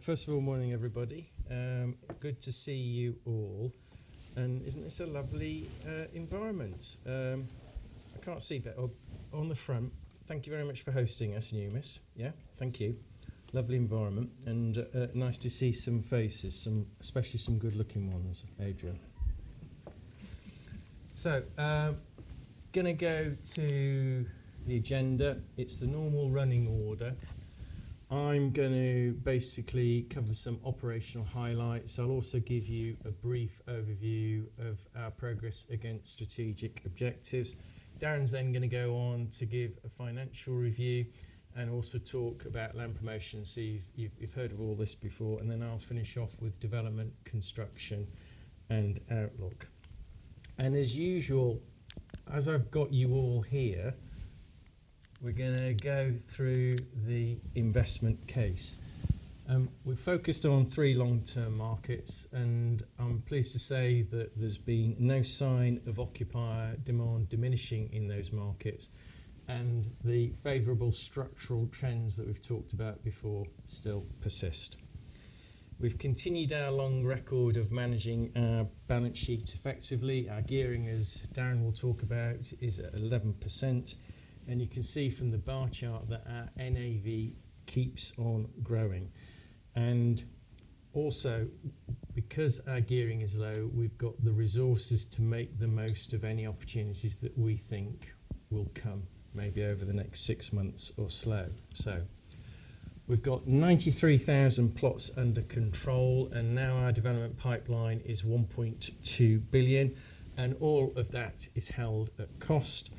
First of all, morning everybody. Good to see you all, and isn't this a lovely environment? I can't see better on the front. Thank you very much for hosting us, Numis. Yeah? Thank you. Lovely environment and nice to see some faces, especially some good-looking ones. Adrian. Gonna go to the agenda. It's the normal running order. I'm gonna basically cover some operational highlights. I'll also give you a brief overview of our progress against strategic objectives. Darren's then gonna go on to give a financial review and also talk about land promotion. You've heard of all this before. I'll finish off with development, construction and outlook. As usual, as I've got you all here, we're gonna go through the investment case. We're focused on three long-term markets, and I'm pleased to say that there's been no sign of occupier demand diminishing in those markets and the favorable structural trends that we've talked about before still persist. We've continued our long record of managing our balance sheet effectively. Our gearing, as Darren will talk about, is at 11%, and you can see from the bar chart that our NAV keeps on growing. Also, because our gearing is low, we've got the resources to make the most of any opportunities that we think will come maybe over the next six months or so. We've got 93,000 plots under control, and now our development pipeline is 1.2 billion, and all of that is held at cost,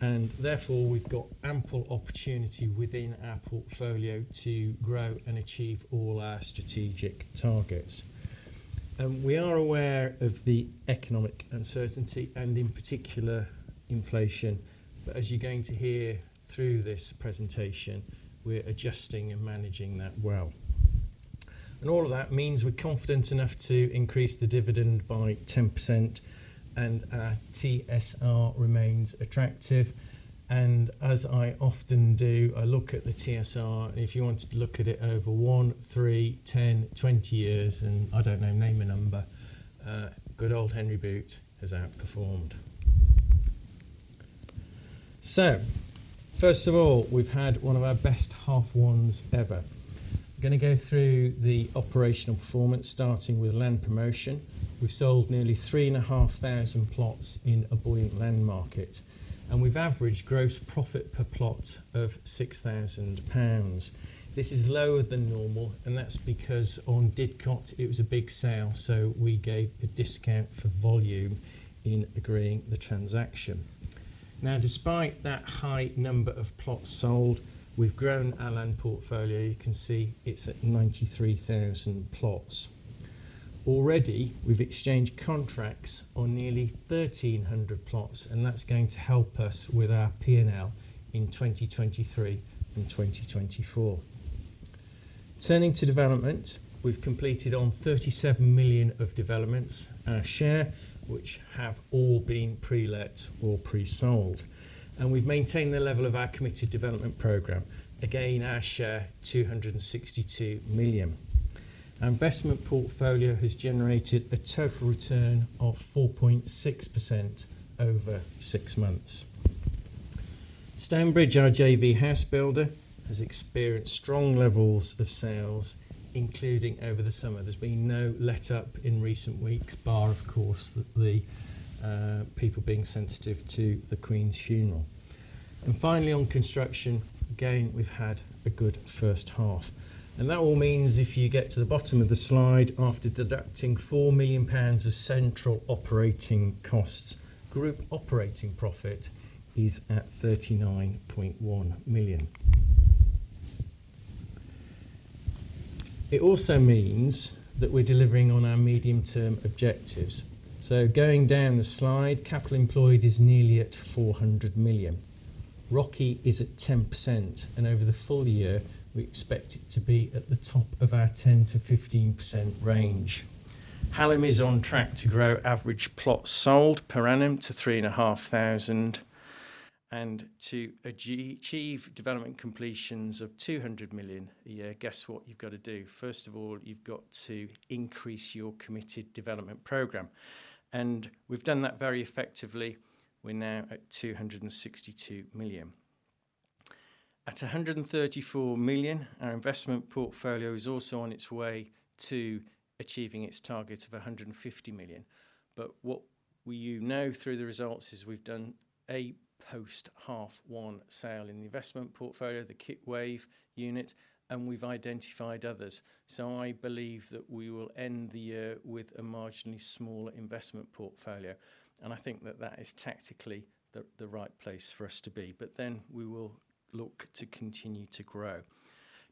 and therefore we've got ample opportunity within our portfolio to grow and achieve all our strategic targets. We are aware of the economic uncertainty and in particular inflation. As you're going to hear through this presentation, we're adjusting and managing that well. All of that means we're confident enough to increase the dividend by 10% and our TSR remains attractive. As I often do, I look at the TSR. If you want to look at it over one, three, 10, 20 years and I don't know, name a number, good old Henry Boot has outperformed. First of all, we've had one of our best half ones ever. Gonna go through the operational performance, starting with land promotion. We've sold nearly 3,500 plots in a buoyant land market, and we've averaged gross profit per plot of 6,000 pounds. This is lower than normal, and that's because on Didcot it was a big sale, so we gave a discount for volume in agreeing the transaction. Despite that high number of plots sold, we've grown our land portfolio. You can see it's at 93,000 plots. Already we've exchanged contracts on nearly 1,300 plots, and that's going to help us with our P&L in 2023 and 2024. Turning to development. We've completed on 37 million of developments, our share, which have all been pre-let or pre-sold. We've maintained the level of our committed development program. Again, our share 262 million. Our investment portfolio has generated a total return of 4.6% over six months. Stonebridge, our JV house builder, has experienced strong levels of sales, including over the summer. There's been no letup in recent weeks, bar of course, people being sensitive to the Queen's funeral. Finally, on construction, again, we've had a good first half. That all means if you get to the bottom of the slide, after deducting 4 million pounds of central operating costs, group operating profit is at 39.1 million. It also means that we're delivering on our medium-term objectives. Going down the slide, capital employed is nearly at 400 million. ROCE is at 10% and over the full year we expect it to be at the top of our 10%-15% range. Hallam is on track to grow average plots sold per annum to 3,500 and to achieve development completions of 200 million a year. Guess what you've got to do? First of all, you've got to increase your committed development program. We've done that very effectively. We're now at 262 million. At 134 million, our investment portfolio is also on its way to achieving its target of 150 million. What we know through the results is we've done a post half one sale in the investment portfolio, the Kitwave unit, and we've identified others. I believe that we will end the year with a marginally smaller investment portfolio and I think that is tactically the right place for us to be. We will look to continue to grow.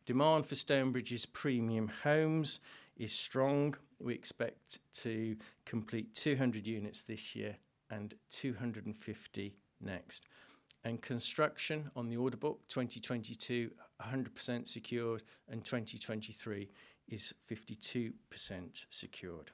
Demand for Stonebridge's premium homes is strong. We expect to complete 200 units this year and 250 next. Construction on the order book, 2022, 100% secured and 2023 is 52% secured.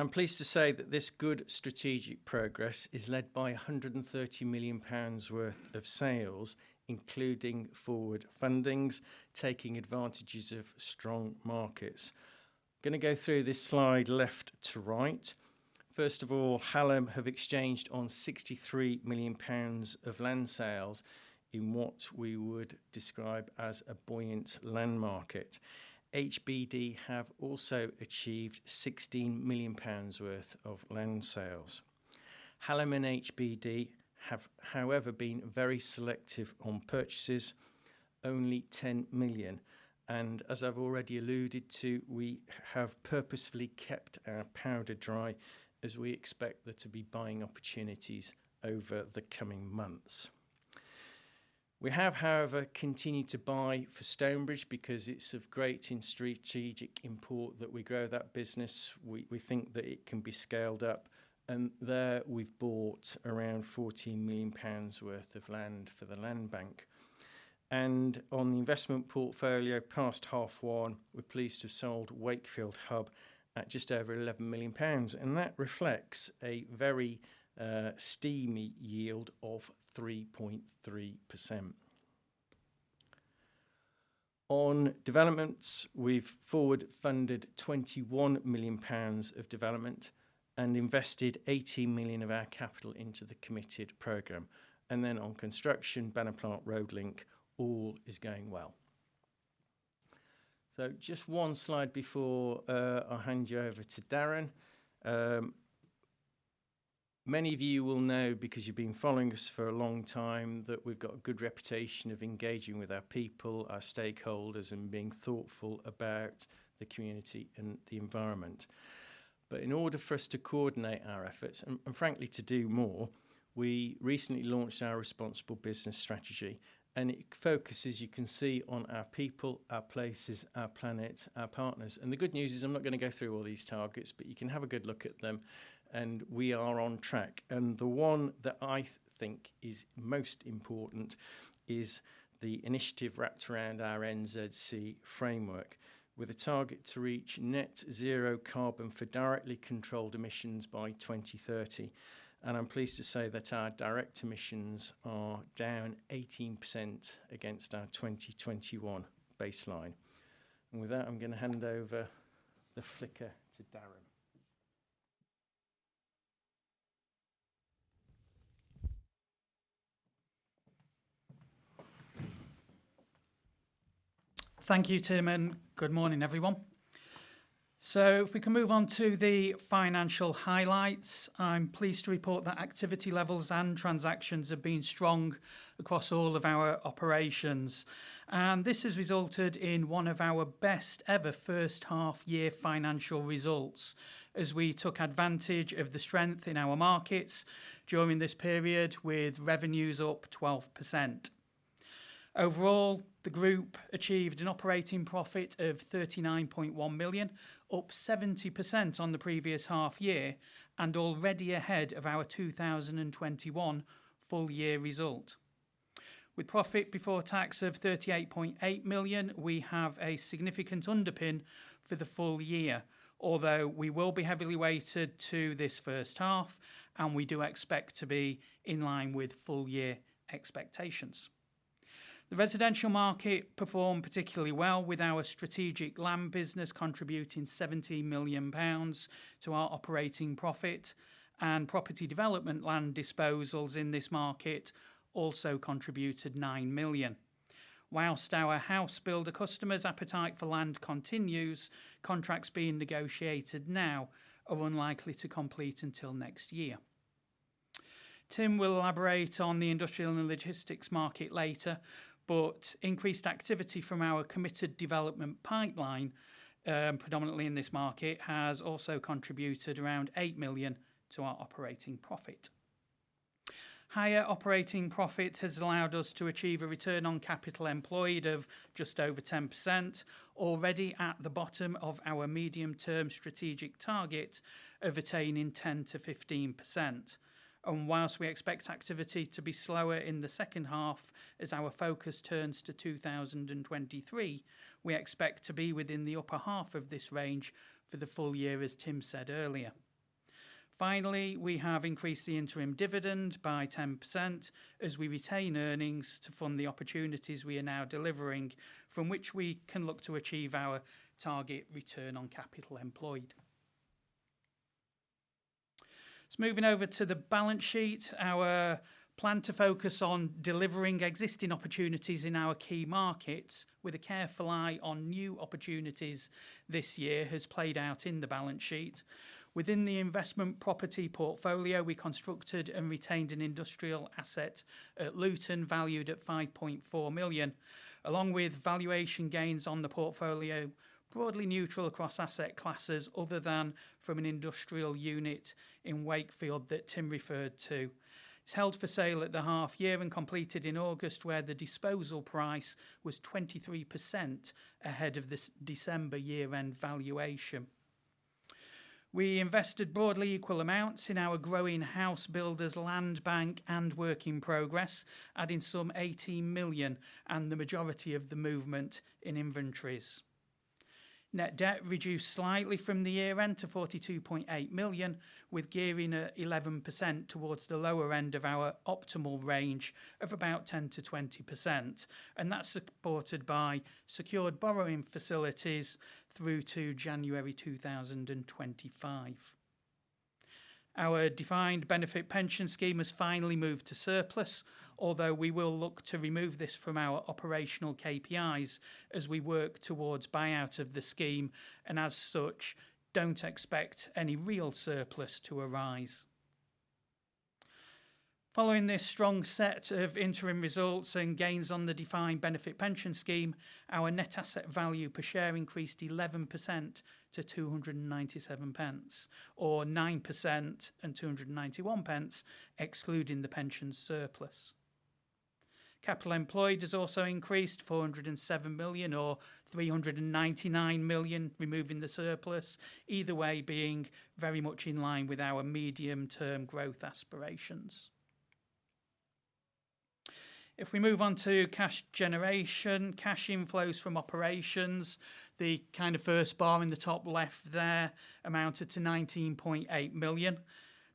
I'm pleased to say that this good strategic progress is led by 130 million pounds worth of sales, including forward fundings, taking advantages of strong markets. Gonna go through this slide left to right. First of all, Hallam have exchanged on 63 million pounds of land sales in what we would describe as a buoyant land market. HBD have also achieved 16 million pounds worth of land sales. Hallam and HBD have, however, been very selective on purchases, only 10 million. As I've already alluded to, we have purposefully kept our powder dry as we expect there to be buying opportunities over the coming months. We have, however, continued to buy for Stonebridge because it's of great and strategic import that we grow that business. We think that it can be scaled up. There we've bought around 14 million pounds worth of land for the land bank. On the investment portfolio post H1, we're pleased to have sold Wakefield Hub at just over 11 million pounds, and that reflects a very strong yield of 3.3%. On developments, we've forward funded 21 million pounds of development and invested 80 million of our capital into the committed program. On construction, Banner Plant, Road Link, all is going well. Just one slide before I hand you over to Darren. Many of you will know, because you've been following us for a long time, that we've got a good reputation of engaging with our people, our stakeholders, and being thoughtful about the community and the environment. In order for us to coordinate our efforts and frankly to do more, we recently launched our responsible business strategy, and it focuses, you can see, on our people, our places, our planet, our partners. The good news is, I'm not gonna go through all these targets, but you can have a good look at them, and we are on track. The one that I think is most important is the initiative wrapped around our NZC framework with a target to reach net zero carbon for directly controlled emissions by 2030. I'm pleased to say that our direct emissions are down 18% against our 2021 baseline. With that, I'm gonna hand over the floor to Darren. Thank you, Tim, and good morning, everyone. If we can move on to the financial highlights. I'm pleased to report that activity levels and transactions have been strong across all of our operations, and this has resulted in one of our best ever first half year financial results as we took advantage of the strength in our markets during this period with revenues up 12%. Overall, the group achieved an operating profit of 39.1 million, up 70% on the previous half year and already ahead of our 2021 full year result. With profit before tax of 38.8 million, we have a significant underpin for the full year, although we will be heavily weighted to this first half, and we do expect to be in line with full year expectations. The residential market performed particularly well with our strategic land business contributing 17 million pounds to our operating profit and property development land disposals in this market also contributed 9 million. While our house builder customers' appetite for land continues, contracts being negotiated now are unlikely to complete until next year. Tim will elaborate on the industrial and logistics market later, but increased activity from our committed development pipeline, predominantly in this market, has also contributed around 8 million to our operating profit. Higher operating profit has allowed us to achieve a return on capital employed of just over 10% already at the bottom of our medium-term strategic target of attaining 10%-15%. While we expect activity to be slower in the second half as our focus turns to 2023, we expect to be within the upper half of this range for the full year, as Tim said earlier. Finally, we have increased the interim dividend by 10% as we retain earnings to fund the opportunities we are now delivering from which we can look to achieve our target return on capital employed. Moving over to the balance sheet, our plan to focus on delivering existing opportunities in our key markets with a careful eye on new opportunities this year has played out in the balance sheet. Within the investment property portfolio, we constructed and retained an industrial asset at Luton valued at 5.4 million, along with valuation gains on the portfolio broadly neutral across asset classes other than from an industrial unit in Wakefield that Tim referred to. It's held for sale at the half year and completed in August, where the disposal price was 23% ahead of this December year-end valuation. We invested broadly equal amounts in our growing house builders land bank and work in progress, adding some 18 million and the majority of the movement in inventories. Net debt reduced slightly from the year-end to 42.8 million, with gearing at 11% towards the lower end of our optimal range of about 10%-20%. That's supported by secured borrowing facilities through to January 2025. Our defined benefit pension scheme has finally moved to surplus, although we will look to remove this from our operational KPIs as we work towards buyout of the scheme, and as such, don't expect any real surplus to arise. Following this strong set of interim results and gains on the defined benefit pension scheme, our net asset value per share increased 11% to 2.97, or 9% to 2.91 excluding the pension surplus. Capital employed has also increased to 407 million or 399 million removing the surplus, either way being very much in line with our medium-term growth aspirations. If we move on to cash generation, cash inflows from operations, the kind of first bar in the top left there amounted to 19.8 million.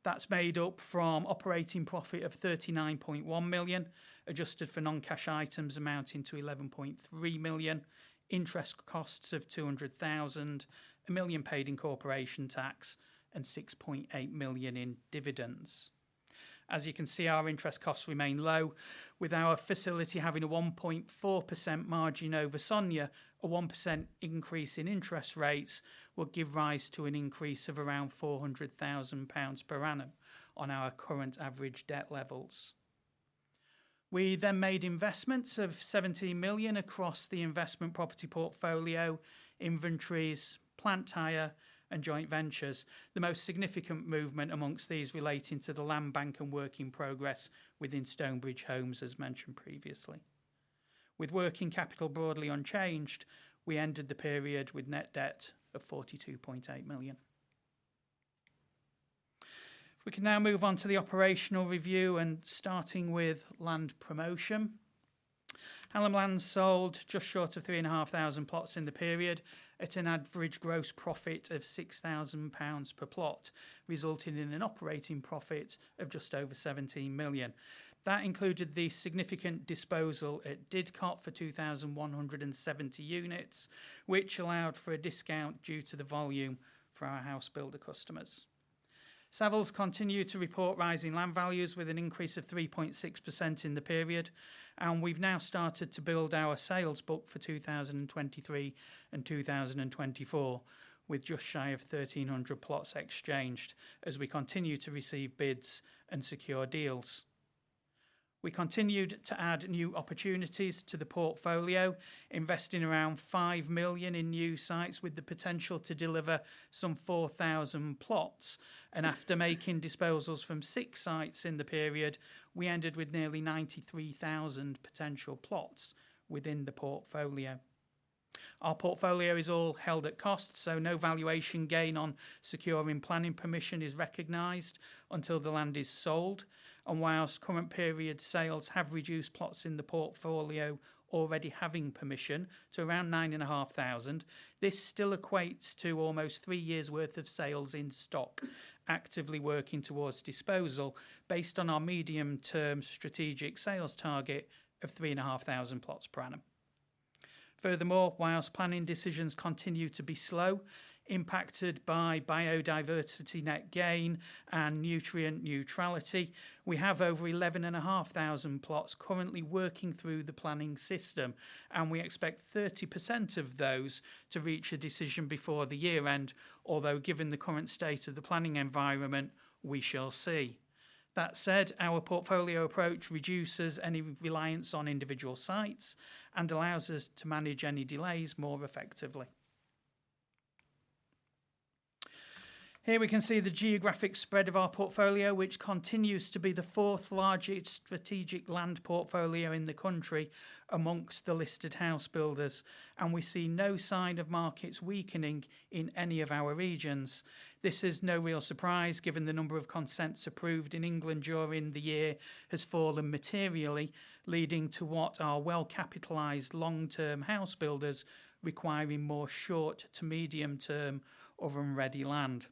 That's made up from operating profit of 39.1 million, adjusted for non-cash items amounting to 11.3 million, interest costs of 200,000, 1 million paid in corporation tax, and 6.8 million in dividends. As you can see, our interest costs remain low. With our facility having a 1.4% margin over SONIA, a 1% increase in interest rates will give rise to an increase of around 400,000 pounds per annum on our current average debt levels. We then made investments of 17 million across the investment property portfolio, inventories, plant hire, and joint ventures. The most significant movement among these relating to the land bank and work in progress within Stonebridge Homes, as mentioned previously. With working capital broadly unchanged, we ended the period with net debt of 42.8 million. We can now move on to the operational review and starting with land promotion. Hallam Land sold just short of 3,500 plots in the period at an average gross profit of 6,000 pounds per plot, resulting in an operating profit of just over 17 million. That included the significant disposal at Didcot for 2,170 units, which allowed for a discount due to the volume for our house builder customers. Savills continue to report rising land values with an increase of 3.6% in the period, and we've now started to build our sales book for 2023 and 2024 with just shy of 1,300 plots exchanged as we continue to receive bids and secure deals. We continued to add new opportunities to the portfolio, investing around 5 million in new sites with the potential to deliver some 4,000 plots. After making disposals from six sites in the period, we ended with nearly 93,000 potential plots within the portfolio. Our portfolio is all held at cost, so no valuation gain on securing planning permission is recognized until the land is sold. While current period sales have reduced plots in the portfolio already having permission to around 9,500, this still equates to almost three years worth of sales in stock actively working towards disposal based on our medium-term strategic sales target of 3,500 plots per annum. Furthermore, while planning decisions continue to be slow, impacted by biodiversity net gain and nutrient neutrality, we have over 11,500 plots currently working through the planning system, and we expect 30% of those to reach a decision before the year-end. Although given the current state of the planning environment, we shall see. That said, our portfolio approach reduces any reliance on individual sites and allows us to manage any delays more effectively. Here we can see the geographic spread of our portfolio, which continues to be the fourth largest strategic land portfolio in the country amongst the listed house builders, and we see no sign of markets weakening in any of our regions. This is no real surprise given the number of consents approved in England during the year has fallen materially leading to what our well-capitalized long-term house builders requiring more short to medium term of ready land.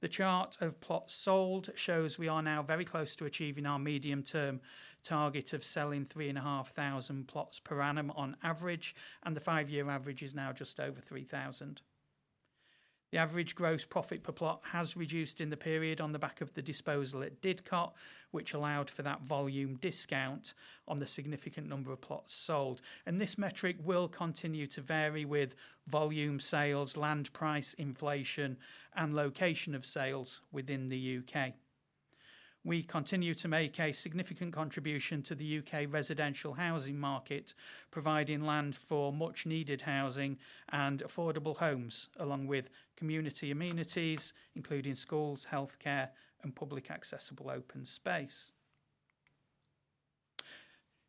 The chart of plots sold shows we are now very close to achieving our medium-term target of selling 3,500 plots per annum on average, and the five-year average is now just over 3,000. The average gross profit per plot has reduced in the period on the back of the disposal at Didcot, which allowed for that volume discount on the significant number of plots sold. This metric will continue to vary with volume sales, land price inflation, and location of sales within the U.K. We continue to make a significant contribution to the U.K. residential housing market, providing land for much needed housing and affordable homes, along with community amenities, including schools, healthcare, and public accessible open space.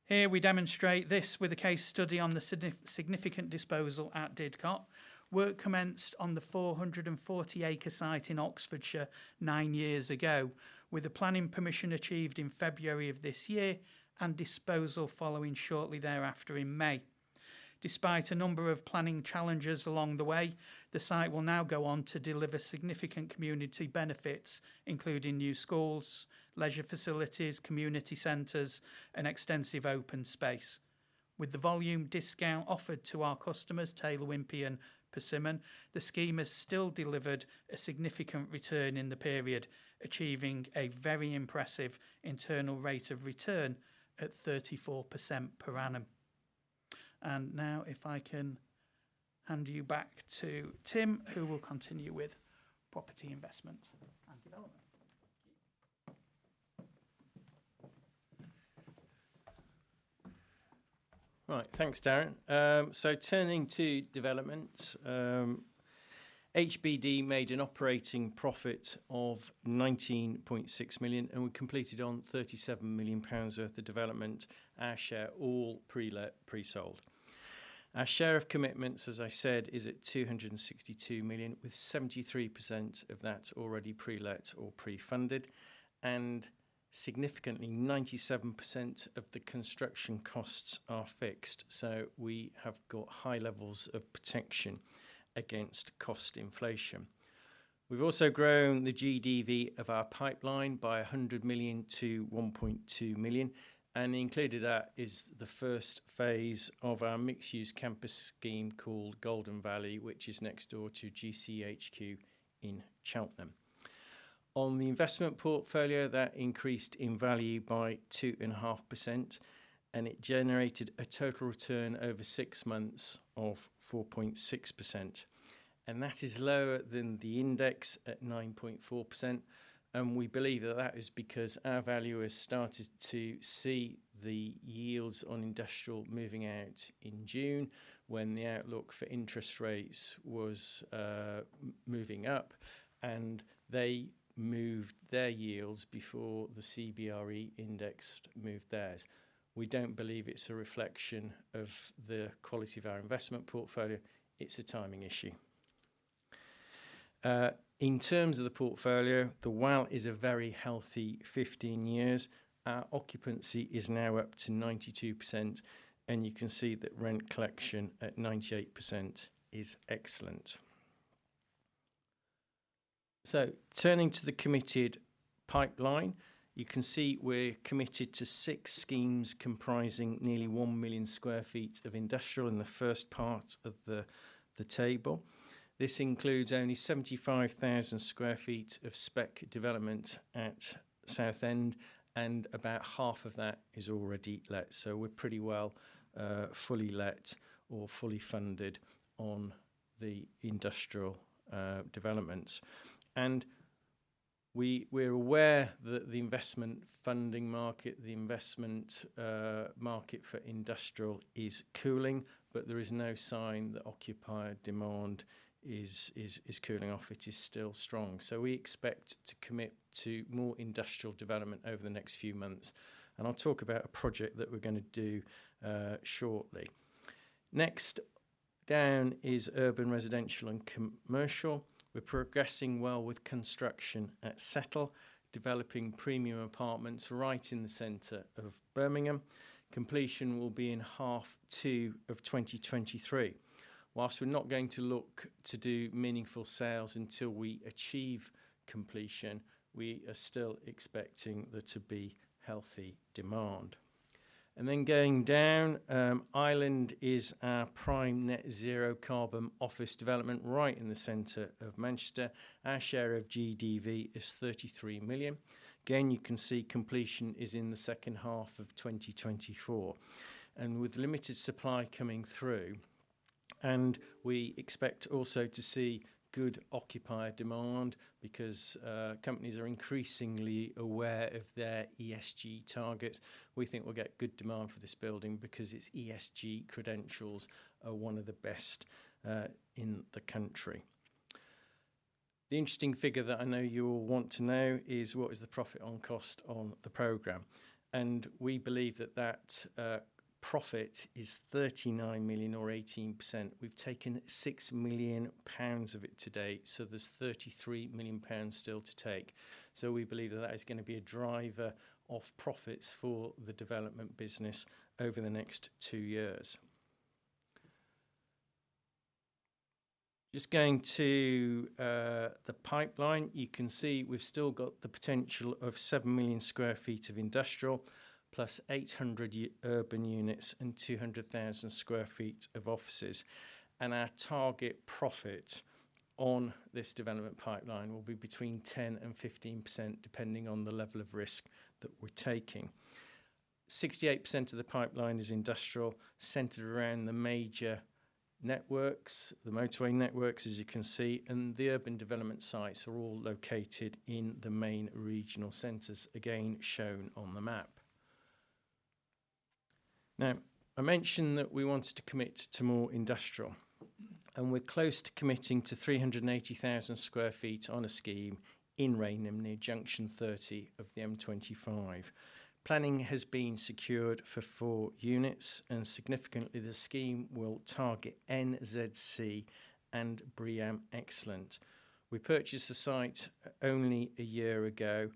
Here we demonstrate this with a case study on the significant disposal at Didcot. Work commenced on the 440-acre site in Oxfordshire nine years ago with the planning permission achieved in February of this year and disposal following shortly thereafter in May. Despite a number of planning challenges along the way, the site will now go on to deliver significant community benefits, including new schools, leisure facilities, community centers, and extensive open space. With the volume discount offered to our customers, Taylor Wimpey and Persimmon, the scheme has still delivered a significant return in the period, achieving a very impressive internal rate of return at 34% per annum. Now if I can hand you back to Tim, who will continue with property investment and development. Thank you. Right. Thanks, Darren. Turning to development, HBD made an operating profit of 19.6 million, and we completed on 37 million pounds worth of development, our share all pre-let, pre-sold. Our share of commitments, as I said, is at 262 million, with 73% of that already pre-let or pre-funded. Significantly, 97% of the construction costs are fixed. We have got high levels of protection against cost inflation. We've also grown the GDV of our pipeline by 100 million to 1.2 billion, and included that is the first phase of our mixed-use campus scheme called Golden Valley, which is next door to GCHQ in Cheltenham. On the investment portfolio, that increased in value by 2.5%, and it generated a total return over six months of 4.6%. That is lower than the index at 9.4%, and we believe that is because our value has started to see the yields on industrial moving out in June when the outlook for interest rates was moving up, and they moved their yields before the CBRE index moved theirs. We don't believe it's a reflection of the quality of our investment portfolio. It's a timing issue. In terms of the portfolio, the WALT is a very healthy 15 years. Our occupancy is now up to 92%, and you can see that rent collection at 98% is excellent. Turning to the committed pipeline, you can see we're committed to six schemes comprising nearly 1 million sq ft of industrial in the first part of the table. This includes only 75,000 sq ft of spec development at Southend, and about half of that is already let. We're pretty well fully let or fully funded on the industrial developments. We're aware that the investment funding market, the investment market for industrial is cooling, but there is no sign that occupier demand is cooling off. It is still strong. We expect to commit to more industrial development over the next few months, and I'll talk about a project that we're gonna do shortly. Next down is urban, residential, and commercial. We're progressing well with construction at Setl, developing premium apartments right in the center of Birmingham. Completion will be in H2 of 2023. While we're not going to look to do meaningful sales until we achieve completion, we are still expecting there to be healthy demand. Going down, Island is our prime net zero carbon office development right in the center of Manchester. Our share of GDV is 33 million. Again, you can see completion is in the second half of 2024. With limited supply coming through, and we expect also to see good occupier demand because, companies are increasingly aware of their ESG targets. We think we'll get good demand for this building because its ESG credentials are one of the best in the country. The interesting figure that I know you'll want to know is what is the profit on cost on the program. We believe that profit is 39 million or 18%. We've taken 6 million pounds of it to date, so there's 33 million pounds still to take. We believe that that is gonna be a driver of profits for the development business over the next two years. Just going to the pipeline, you can see we've still got the potential of 7 million sq ft of industrial +800 urban units and 200,000 sq ft of offices. Our target profit on this development pipeline will be between 10%-15% depending on the level of risk that we're taking. 68% of the pipeline is industrial, centered around the major networks, the motorway networks, as you can see, and the urban development sites are all located in the main regional centers, again, shown on the map. Now, I mentioned that we wanted to commit to more industrial, and we're close to committing to 380,000 sq ft on a scheme in Rainham near Junction 30 of the M25. Planning has been secured for 4 units, and significantly the scheme will target NZC and BREEAM Excellent. We purchased the site only a year ago.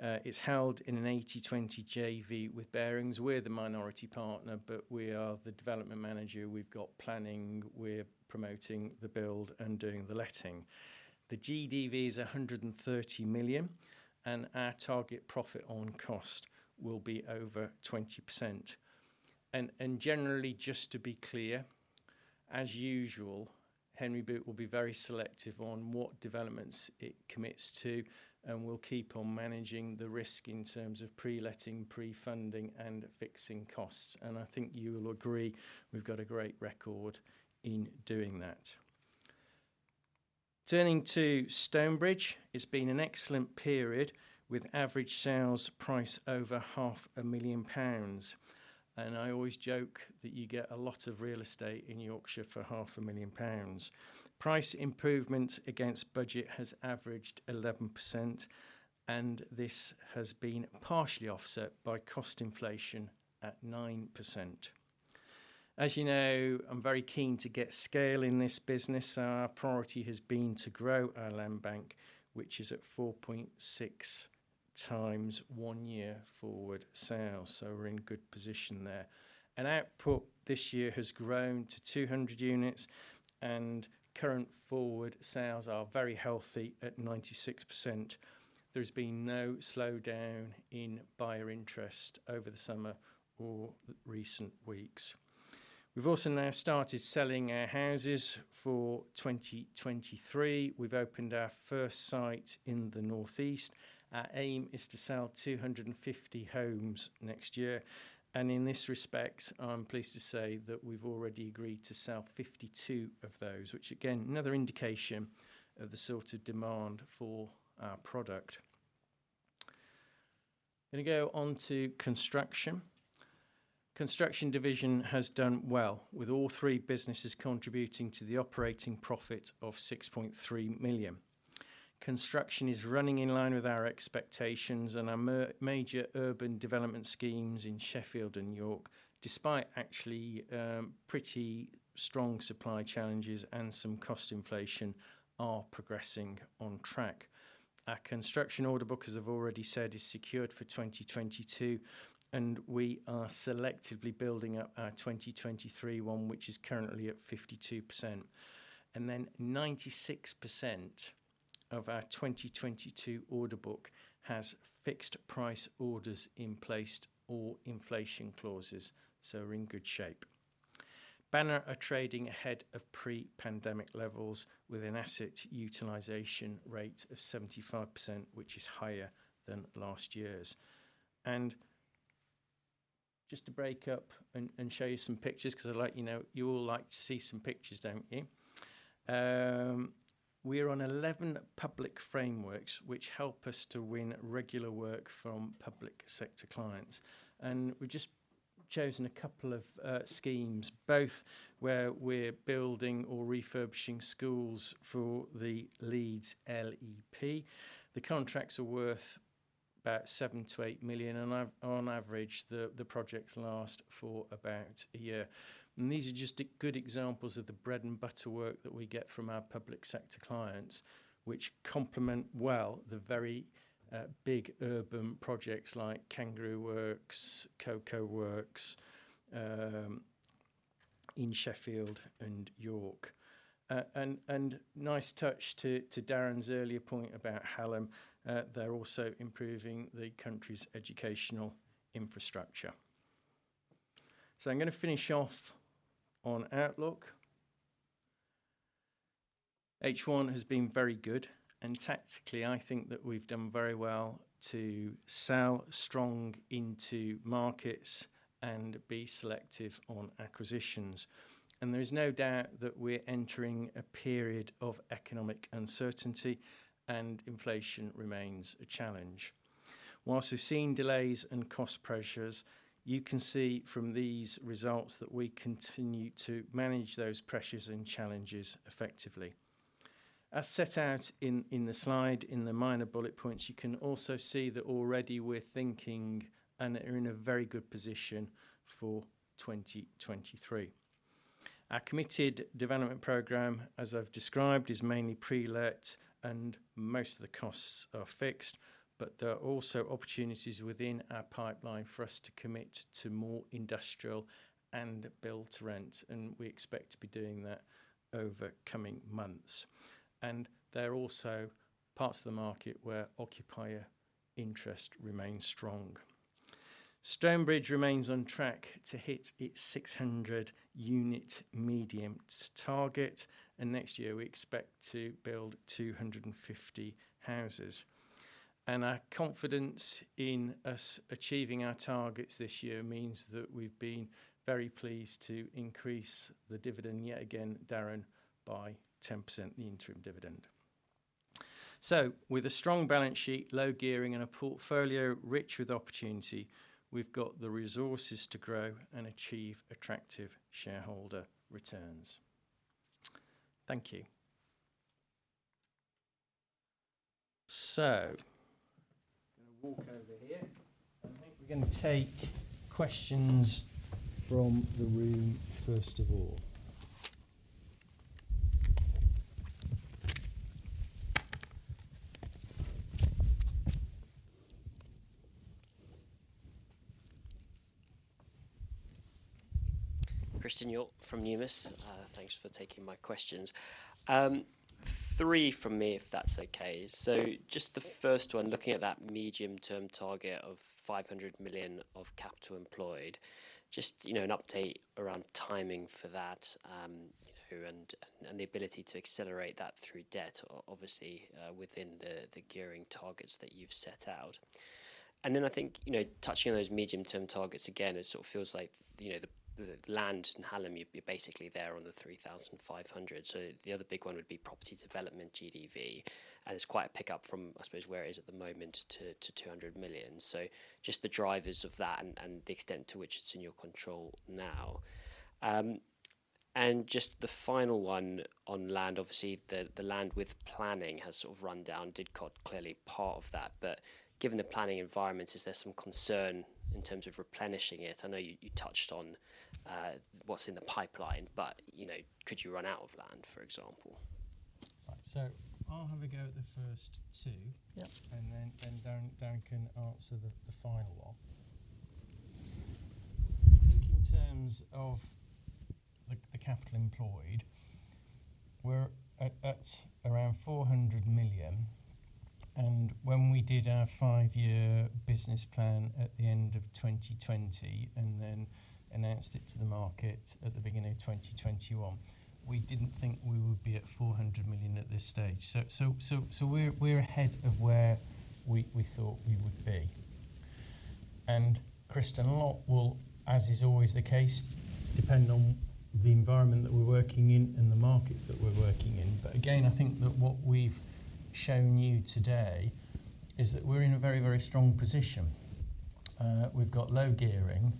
It's held in an 80/20 JV with Barings. We're the minority partner, but we are the development manager. We've got planning. We're promoting the build and doing the letting. The GDV is 130 million, and our target profit on cost will be over 20%. Generally, just to be clear, as usual, Henry Boot will be very selective on what developments it commits to, and we'll keep on managing the risk in terms of pre-letting, pre-funding, and fixing costs. I think you will agree we've got a great record in doing that. Turning to Stonebridge Homes, it's been an excellent period with average sales price over half a million pounds. I always joke that you get a lot of real estate in Yorkshire for half a million pounds. Price improvement against budget has averaged 11%, and this has been partially offset by cost inflation at 9%. As you know, I'm very keen to get scale in this business. Our priority has been to grow our land bank, which is at 4.6 times one year forward sales. We are in good position there. Output this year has grown to 200 units, and current forward sales are very healthy at 96%. There has been no slowdown in buyer interest over the summer or recent weeks. We've also now started selling our houses for 2023. We've opened our first site in the Northeast. Our aim is to sell 250 homes next year. In this respect, I am pleased to say that we've already agreed to sell 52 of those, which again, another indication of the sort of demand for our product. Gonna go on to Construction. Construction division has done well, with all three businesses contributing to the operating profit of 6.3 million. Construction is running in line with our expectations and our major urban development schemes in Sheffield and York, despite actually, pretty strong supply challenges and some cost inflation are progressing on track. Our construction order book, as I've already said, is secured for 2022, and we are selectively building up our 2023 one, which is currently at 52%. Then 96% of our 2022 order book has fixed price orders in place or inflation clauses, so we are in good shape. Banner are trading ahead of pre-pandemic levels with an asset utilization rate of 75%, which is higher than last year's. Just to break up and show you some pictures because I'd like, you know, you all like to see some pictures, don't you? We are on 11 public frameworks which help us to win regular work from public sector clients. We've just chosen a couple of schemes, both where we're building or refurbishing schools for the Leeds LEP. The contracts are worth about 7 million-8 million, and on average, the projects last for about a year. These are just good examples of the bread and butter work that we get from our public sector clients, which complement well the very big urban projects like Kangaroo Works, Cocoa Works, in Sheffield and York. Nice touch to Darren's earlier point about Hallam, they're also improving the country's educational infrastructure. I'm gonna finish off on Outlook. H1 has been very good and tactically I think that we've done very well to sell strong into markets and be selective on acquisitions. There is no doubt that we are entering a period of economic uncertainty and inflation remains a challenge. Whilst we've seen delays and cost pressures, you can see from these results that we continue to manage those pressures and challenges effectively. As set out in the slide in the minor bullet points, you can also see that already we're thinking and are in a very good position for 2023. Our committed development program, as I've described, is mainly pre-let and most of the costs are fixed, but there are also opportunities within our pipeline for us to commit to more industrial and build to rent, and we expect to be doing that over coming months. There are also parts of the market where occupier interest remains strong. Stonebridge remains on track to hit its 600-unit medium target, and next year we expect to build 250 houses. Our confidence in us achieving our targets this year means that we've been very pleased to increase the dividend yet again, Darren, by 10%, the interim dividend. With a strong balance sheet, low gearing, and a portfolio rich with opportunity, we've got the resources to grow and achieve attractive shareholder returns. Thank you. I'm gonna walk over here. I think we're gonna take questions from the room first of all. Christen Hjorth from Numis. Thanks for taking my questions. Three from me, if that's okay. Just the first one, looking at that medium-term target of 500 million of capital employed, just, you know, an update around timing for that, you know, and the ability to accelerate that through debt obviously, within the gearing targets that you've set out. Then I think, you know, touching on those medium-term targets, again, it sort of feels like, you know, the land in Hallam, you're basically there on the 3,500. The other big one would be property development GDV, and it's quite a pickup from, I suppose, where it is at the moment to 200 million. Just the drivers of that and the extent to which it's in your control now. Just the final one on land. Obviously, the land with planning has sort of run down. Didcot clearly part of that. Given the planning environment, is there some concern in terms of replenishing it? I know you touched on what's in the pipeline, but you know, could you run out of land, for example? Right. I'll have a go at the first two. Yeah. Darren can answer the final one. I think in terms of the capital employed, we're at around 400 million. When we did our five-year business plan at the end of 2020 and then announced it to the market at the beginning of 2021, we didn't think we would be at 400 million at this stage. We're ahead of where we thought we would be. Christen, a lot will, as is always the case, depend on the environment that we're working in and the markets that we're working in. Again, I think that what we've shown you today is that we're in a very strong position. We've got low gearing,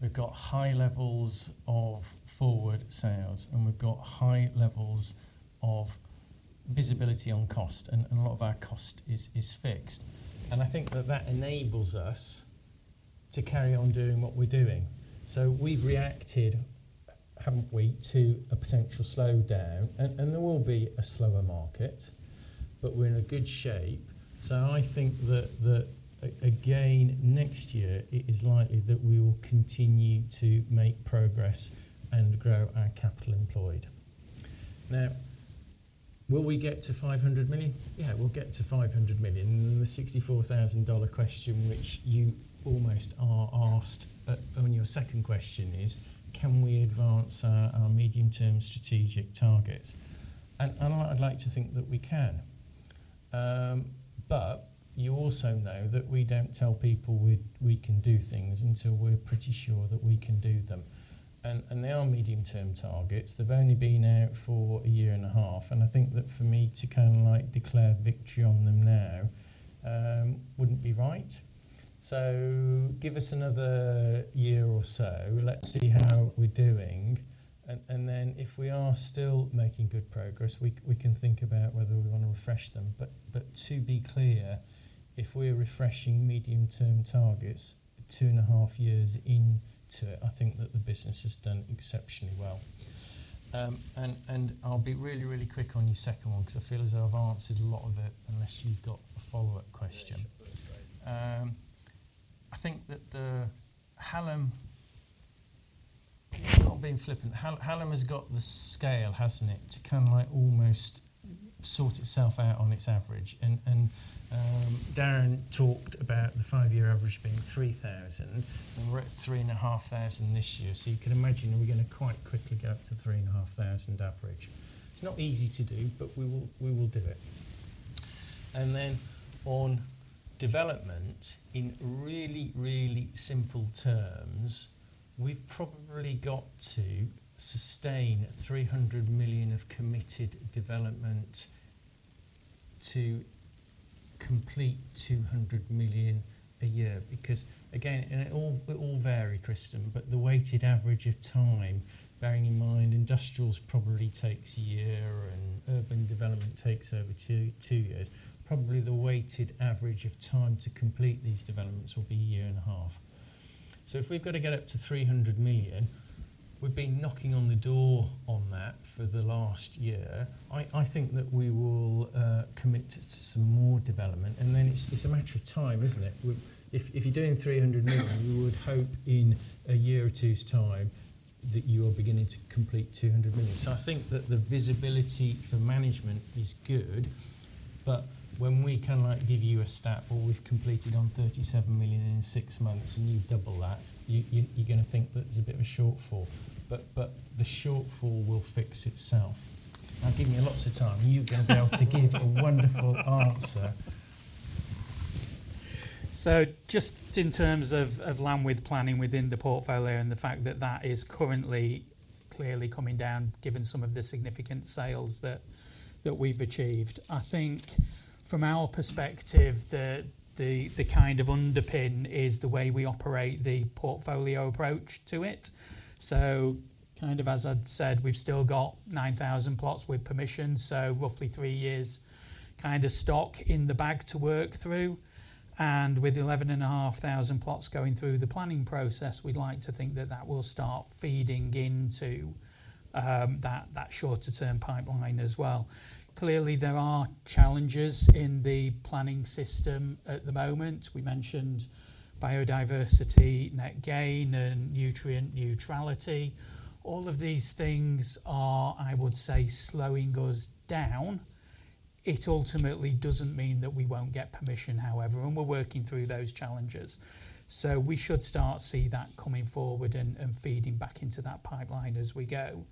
we've got high levels of forward sales, and we've got high levels of visibility on cost and a lot of our cost is fixed. I think that enables us to carry on doing what we're doing. We've reacted, haven't we, to a potential slowdown. There will be a slower market, but we're in a good shape, so I think that again, next year, it is likely that we will continue to make progress and grow our capital employed. Now, will we get to 500 million? Yeah, we'll get to 500 million. Then the $64,000 question which you almost are asked on your second question is, can we advance our medium-term strategic targets? I'd like to think that we can. You also know that we don't tell people we can do things until we're pretty sure that we can do them. They are medium-term targets. They've only been out for a year and a half. I think that for me to kind of like declare victory on them now wouldn't be right. Give us another year or so. Let's see how we're doing. Then if we are still making good progress, we can think about whether we wanna refresh them. To be clear, if we're refreshing medium-term targets two and a half years into it, I think that the business has done exceptionally well. I'll be really, really quick on your second one 'cause I feel as though I've answered a lot of it, unless you've got a follow-up question. Yeah, sure. That's great. I think that Hallam has got the scale, hasn't it, to kind of like almost sort itself out on its average. Not being flippant. Darren talked about the five-year average being 3,000, and we're at 3,500 this year. You can imagine that we're gonna quite quickly get up to 3,500 average. It's not easy to do, but we will do it. On development, in really simple terms, we've probably got to sustain 300 million of committed development to complete 200 million a year. Because again, it all will vary, Christen, but the weighted average of time, bearing in mind industrials probably takes a year and urban development takes over two years. Probably the weighted average of time to complete these developments will be a year and a half. If we've gotta get up to 300 million, we've been knocking on the door on that for the last year. I think that we will commit to some more development, and then it's a matter of time, isn't it? If you're doing 300 million, you would hope in a year or two's time that you are beginning to complete 200 million. I think that the visibility for management is good, but when we kind of like give you a stat, well, we've completed on 37 million in six months and you double that, you're gonna think that there's a bit of a shortfall. The shortfall will fix itself. Now give me lots of time. You're gonna be able to give a wonderful answer. Just in terms of land with planning within the portfolio and the fact that that is currently clearly coming down given some of the significant sales that we've achieved. I think from our perspective, the kind of underpin is the way we operate the portfolio approach to it. Kind of as I'd said, we've still got 9,000 plots with permission, so roughly three years kind of stock in the bag to work through. With 11,500 plots going through the planning process, we'd like to think that that will start feeding into that shorter term pipeline as well. Clearly, there are challenges in the planning system at the moment. We mentioned biodiversity net gain and nutrient neutrality. All of these things are, I would say, slowing us down. It ultimately doesn't mean that we won't get permission, however, and we're working through those challenges. We should start to see that coming forward and feeding back into that pipeline as we go.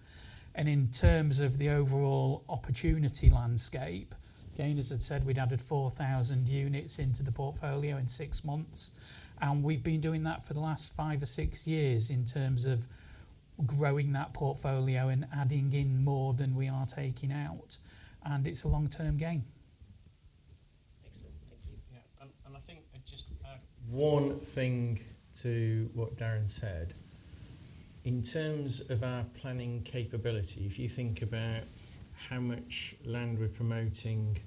In terms of the overall opportunity landscape, again, as I said, we'd added 4,000 units into the portfolio in six months, and we've been doing that for the last five or six years in terms of growing that portfolio and adding in more than we are taking out. It's a long-term game. Excellent. Thank you. Yeah. I think just one thing to what Darren said. In terms of our planning capability, if you think about how much land we're promoting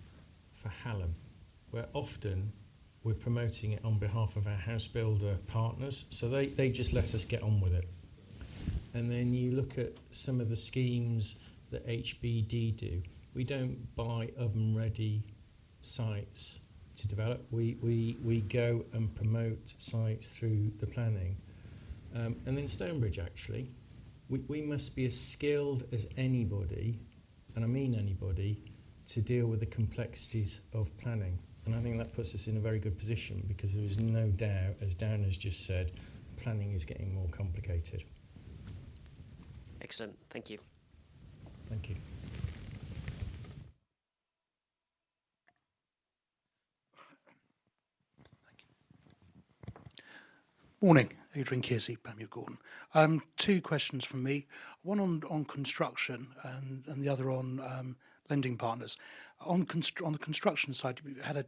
for Hallam, where often we're promoting it on behalf of our house builder partners, so they just let us get on with it. Then you look at some of the schemes that HBD do. We don't buy oven-ready sites to develop. We go and promote sites through the planning. And in Stonebridge actually, we must be as skilled as anybody, and I mean anybody, to deal with the complexities of planning. I think that puts us in a very good position because there is no doubt, as Darren has just said, planning is getting more complicated. Excellent. Thank you. Thank you. Morning. Adrian Kearsey, Panmure Gordon. Two questions from me, one on construction and the other on lending partners. On the construction side, we've had a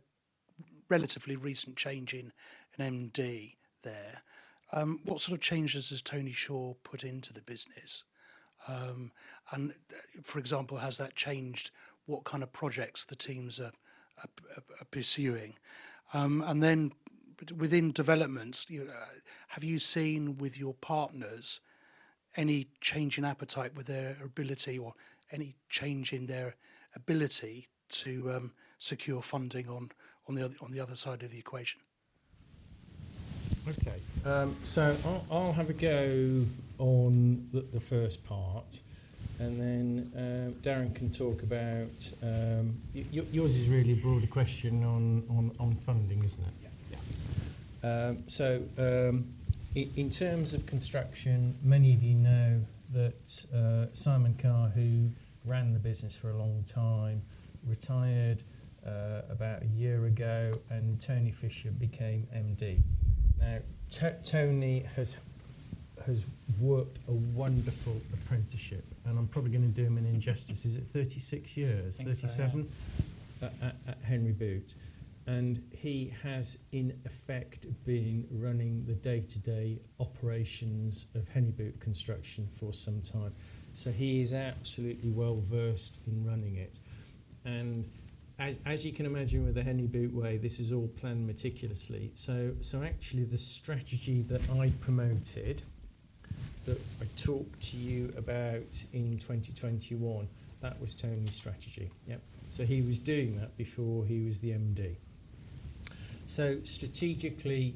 relatively recent change in an MD there. What sort of changes has Tony Shaw put into the business? For example, has that changed what kind of projects the teams are pursuing? Within developments, have you seen with your partners any change in appetite with their ability or any change in their ability to secure funding on the other side of the equation? Okay. So I'll have a go on the first part, and then Darren can talk about yours, is really a broader question on funding, isn't it? Yeah. In terms of construction, many of you know that Simon Carr, who ran the business for a long time, retired about a year ago, and Tony Shaw became MD. Now, Tony has worked a wonderful apprenticeship, and I'm probably gonna do him an injustice. Is it 36 years? I think so, yeah. 37? At Henry Boot. He has in effect been running the day-to-day operations of Henry Boot Construction for some time. He is absolutely well-versed in running it. As you can imagine with the Henry Boot way, this is all planned meticulously. Actually the strategy that I promoted, that I talked to you about in 2021, that was Tony's strategy. Yep. He was doing that before he was the MD. Strategically,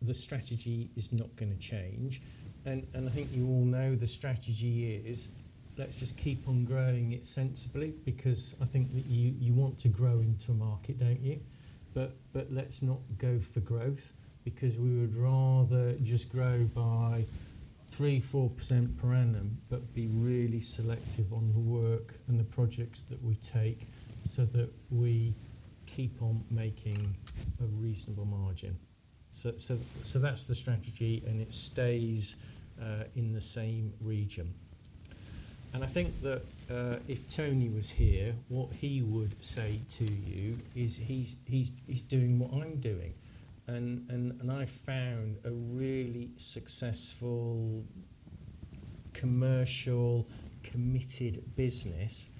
the strategy is not gonna change. I think you all know the strategy is, let's just keep on growing it sensibly, because I think that you want to grow into a market, don't you? Let's not go for growth because we would rather just grow by 3%-4% per annum, but be really selective on the work and the projects that we take so that we keep on making a reasonable margin. That's the strategy and it stays in the same region. I think that if Tony was here, what he would say to you is he's doing what I'm doing. I found a really successful commercially committed business,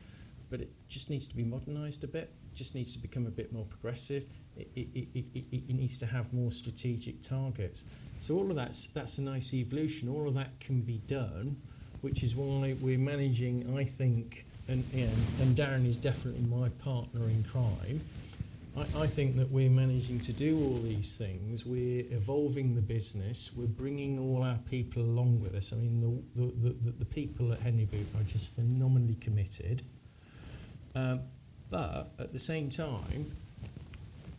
but it just needs to be modernized a bit. It needs to become a bit more progressive. It needs to have more strategic targets. All of that's a nice evolution. All of that can be done, which is why we're managing, I think, and Darren is definitely my partner in crime. I think that we're managing to do all these things. We're evolving the business. We're bringing all our people along with us. I mean, the people at Henry Boot are just phenomenally committed. But at the same time,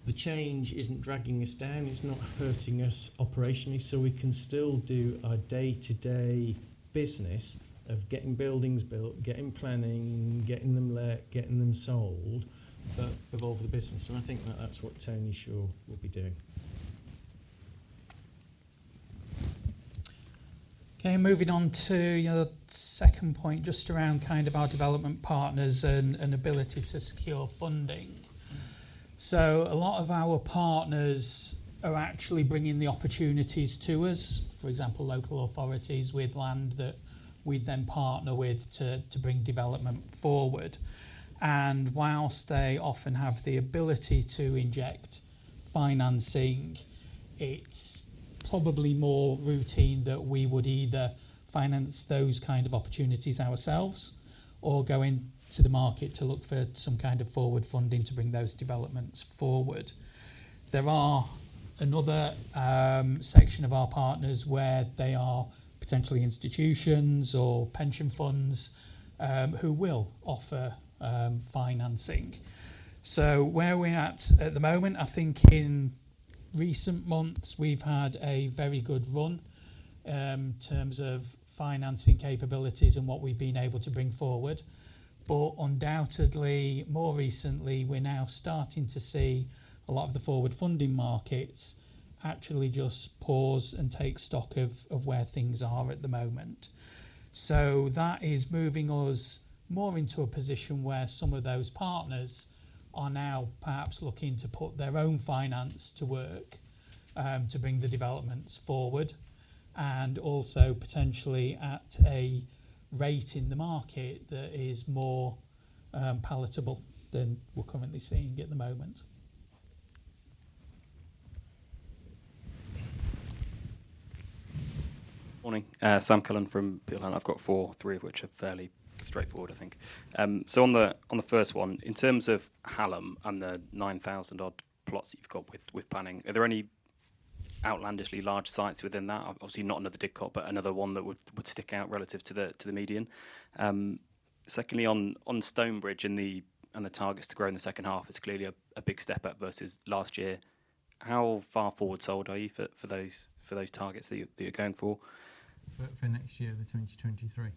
the change isn't dragging us down. It's not hurting us operationally, so we can still do our day-to-day business of getting buildings built, getting planning, getting them let, getting them sold, but evolve the business, and I think that that's what Tony Shaw will be doing. Okay. Moving on to your second point, just around kind of our development partners and ability to secure funding. A lot of our partners are actually bringing the opportunities to us. For example, local authorities with land that we then partner with to bring development forward. While they often have the ability to inject financing, it's Probably more routine that we would either finance those kind of opportunities ourselves or go into the market to look for some kind of forward funding to bring those developments forward. There are another section of our partners where they are potentially institutions or pension funds who will offer financing. Where are we at the moment? I think in recent months, we've had a very good run in terms of financing capabilities and what we've been able to bring forward. Undoubtedly, more recently, we're now starting to see a lot of the forward funding markets actually just pause and take stock of where things are at the moment. That is moving us more into a position where some of those partners are now perhaps looking to put their own finance to work, to bring the developments forward, and also potentially at a rate in the market that is more palatable than we're currently seeing at the moment. Morning. Sam Cullen from Peel Hunt. I've got four, three of which are fairly straightforward, I think. On the first one, in terms of Hallam and the 9,000-odd plots that you've got with planning, are there any outlandishly large sites within that? Obviously, not another Didcot, but another one that would stick out relative to the median. Secondly, on Stonebridge and the targets to grow in the second half, it's clearly a big step up versus last year. How far forward sold are you for those targets that you're going for? For next year, the 2023?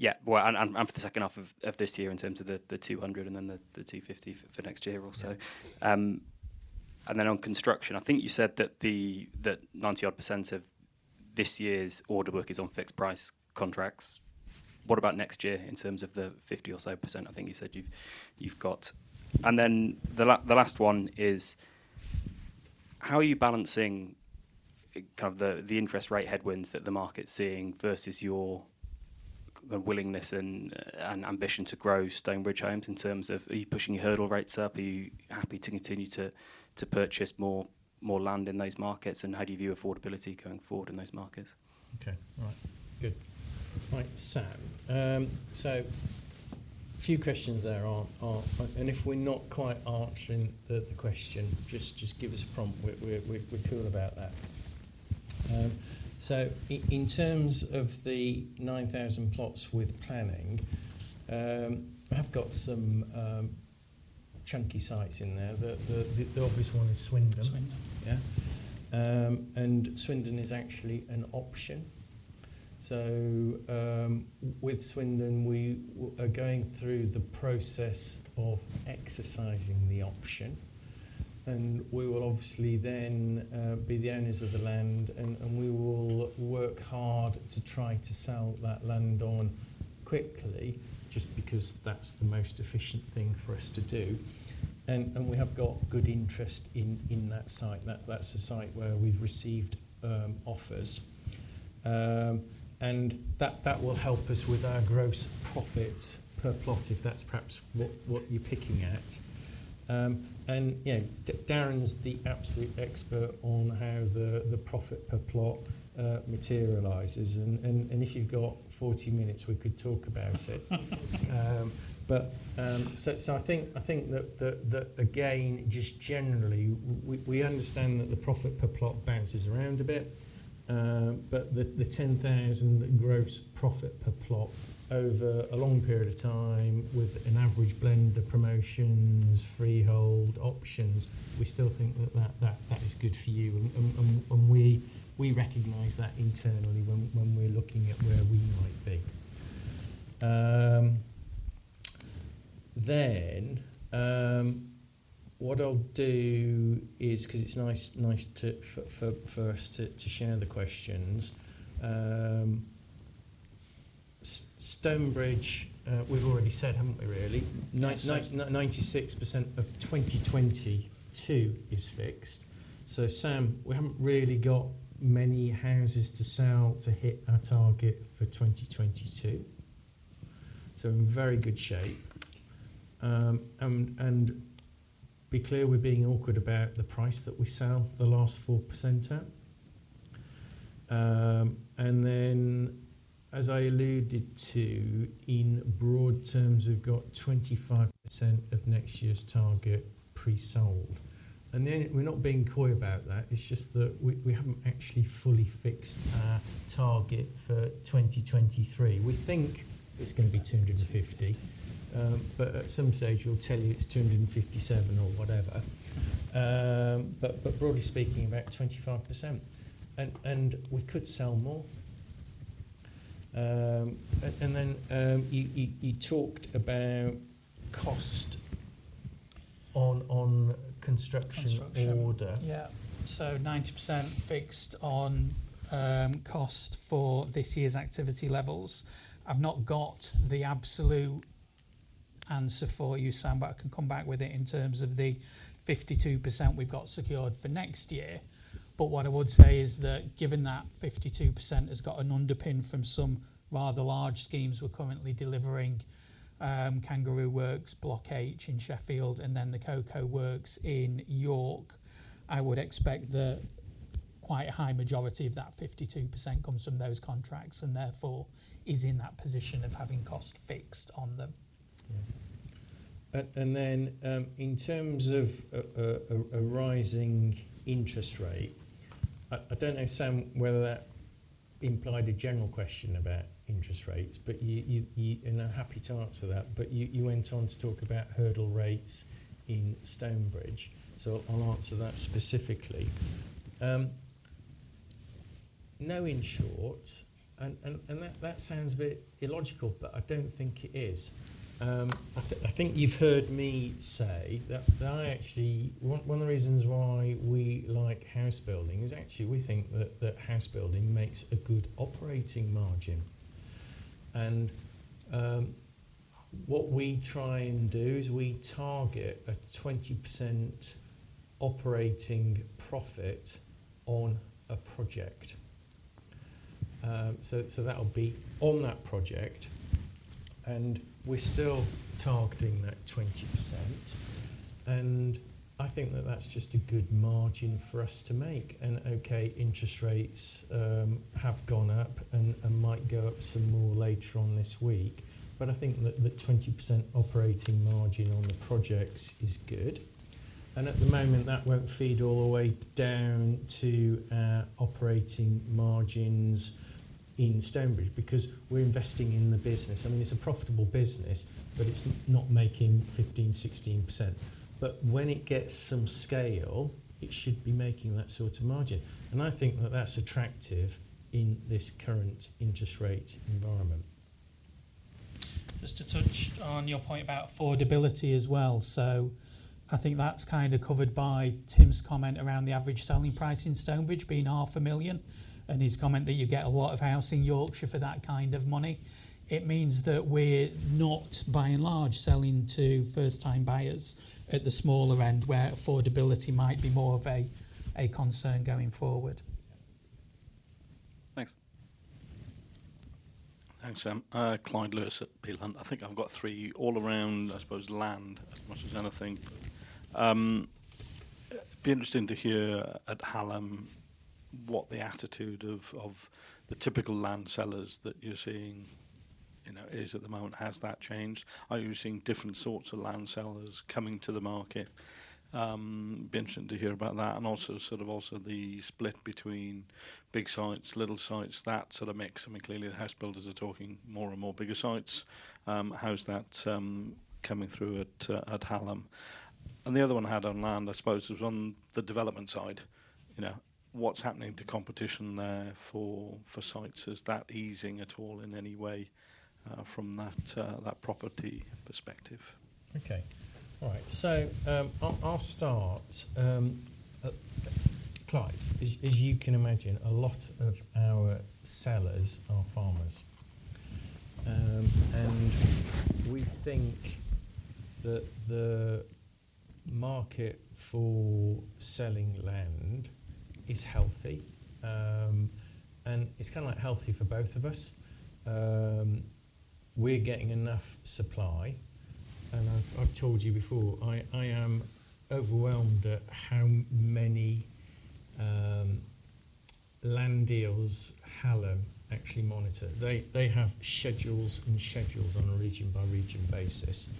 Yeah. Well, for the second half of this year in terms of the 200 and then the 250 for next year or so. Yeah. On construction, I think you said that 90-odd% of this year's order book is on fixed price contracts. What about next year in terms of the 50% or so I think you said you've got? The last one is how are you balancing kind of the interest rate headwinds that the market's seeing versus your willingness and ambition to grow Stonebridge Homes in terms of are you pushing your hurdle rates up? Are you happy to continue to purchase more land in those markets? How do you view affordability going forward in those markets? Okay. Right. Good. Right, Sam. A few questions there are, and if we're not quite answering the question, just give us a prompt. We're cool about that. In terms of the 9,000 plots with planning, I have got some chunky sites in there. The obvious one is Swindon. Swindon. Yeah. Swindon is actually an option. With Swindon, we are going through the process of exercising the option, and we will obviously then be the owners of the land and we will work hard to try to sell that land on quickly just because that's the most efficient thing for us to do. We have got good interest in that site. That's a site where we've received offers. That will help us with our gross profit per plot, if that's perhaps what you're picking at. You know, Darren's the absolute expert on how the profit per plot materializes and if you've got 40-minutes, we could talk about it. I think that again, just generally we understand that the profit per plot bounces around a bit, but the 10,000 gross profit per plot over a long period of time with an average blend of promotions, freehold options, we still think that is good for you. We recognize that internally when we're looking at where we might be. What I'll do is, 'cause it's nice for us to share the questions. Stonebridge, we've already said, haven't we, really? Yes. 99.6% of 2022 is fixed. Sam, we haven't really got many houses to sell to hit our target for 2022. In very good shape. Be clear, we're being awkward about the price that we sell the last 4% at. Then as I alluded to, in broad terms, we've got 25% of next year's target pre-sold. Then we're not being coy about that. It's just that we haven't actually fully fixed our target for 2023. We think it's gonna be 250, but at some stage we'll tell you it's 257 or whatever. Broadly speaking, about 25%. We could sell more. And then you talked about cost on construction order. Construction. Yeah. 90% fixed on cost for this year's activity levels. I've not got the absolute answer for you, Sam, but I can come back with it in terms of the 52% we've got secured for next year. What I would say is that given that 52% has got an underpin from some rather large schemes we're currently delivering, Kangaroo Works, Block H in Sheffield, and then The Cocoa Works in York, I would expect the Quite a high majority of that 52% comes from those contracts, and therefore is in that position of having costs fixed on them. Yeah. Then, in terms of a rising interest rate, I don't know, Sam, whether that implied a general question about interest rates, but you and I'm happy to answer that, but you went on to talk about hurdle rates in Stonebridge, so I'll answer that specifically. No, in short, that sounds a bit illogical, but I don't think it is. I think you've heard me say that. One of the reasons why we like house building is actually we think that house building makes a good operating margin. What we try and do is we target a 20% operating profit on a project. That'll be on that project, and we're still targeting that 20%. I think that that's just a good margin for us to make. Okay, interest rates have gone up and might go up some more later on this week, but I think that the 20% operating margin on the projects is good. At the moment, that won't feed all the way down to operating margins in Stonebridge because we're investing in the business. I mean, it's a profitable business, but it's not making 15%, 16%. When it gets some scale, it should be making that sort of margin, and I think that that's attractive in this current interest rate environment. Just to touch on your point about affordability as well. I think that's kind of covered by Tim's comment around the average selling price in Stonebridge being half a million, and his comment that you get a lot of house in Yorkshire for that kind of money. It means that we're not by and large selling to first time buyers at the smaller end where affordability might be more of a concern going forward. Yeah. Thanks. Thanks, Sam. Clyde Lewis at Peel Hunt. I think I've got three all around, I suppose land as much as anything. Be interesting to hear at Hallam what the attitude of the typical land sellers that you're seeing, you know, is at the moment. Has that changed? Are you seeing different sorts of land sellers coming to the market? Be interesting to hear about that and also sort of the split between big sites, little sites, that sort of mix. I mean, clearly the house builders are talking more and more bigger sites. How's that coming through at Hallam? And the other one I had on land, I suppose, was on the development side. You know, what's happening to competition there for sites? Is that easing at all in any way from that property perspective? Okay. All right. I'll start. Clyde, as you can imagine, a lot of our sellers are farmers. We think that the market for selling land is healthy. It's kinda like healthy for both of us. We're getting enough supply and I've told you before, I am overwhelmed at how many land deals Hallam actually monitor. They have schedules and schedules on a region by region basis.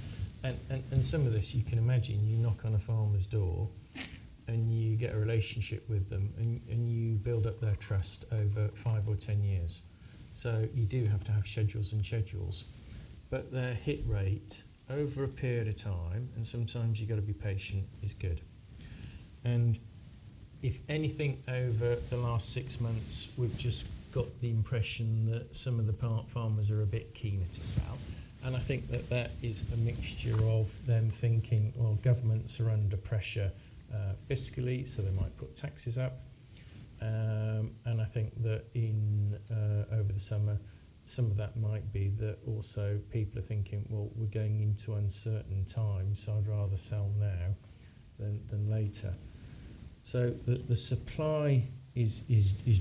Some of this you can imagine, you knock on a farmer's door and you get a relationship with them and you build up their trust over five or 10 years. You do have to have schedules and schedules. Their hit rate over a period of time, and sometimes you gotta be patient, is good. If anything, over the last six months, we've just got the impression that some of the farmers are a bit keener to sell. I think that is a mixture of them thinking, "Well, governments are under pressure, fiscally, so they might put taxes up." I think that in over the summer, some of that might be that also people are thinking, "Well, we're going into uncertain times, so I'd rather sell now than later." The supply is